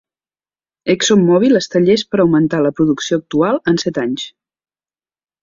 ExxonMobil està llest per augmentar la producció actual en set anys.